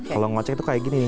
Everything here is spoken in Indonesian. kalau ngecek itu kaya gini